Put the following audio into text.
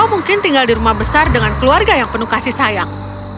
atau mungkin tinggal di rumah besar dengan keluarga yang penuh kasih sayang